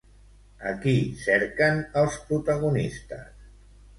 A qui cerquen els protagonistes?